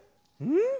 うん？